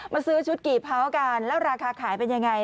ซื้อชุดกี่เผากันแล้วราคาขายเป็นยังไง